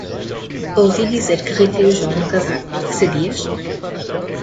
Ouvi dizer que a Rita e o João vão casar. Sabias?